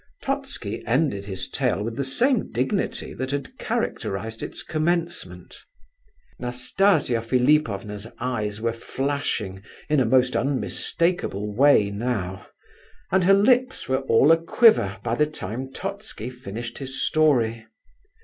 Totski ended his tale with the same dignity that had characterized its commencement. Nastasia Philipovna's eyes were flashing in a most unmistakable way, now; and her lips were all a quiver by the time Totski finished his story.